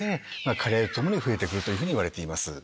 加齢とともに増えて来るというふうにいわれています。